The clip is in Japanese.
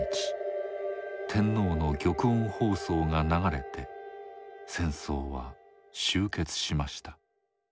天皇の玉音放送が流れて戦争は終結しました。